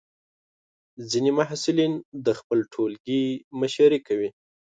ځینې محصلین د خپل ټولګي مشري کوي.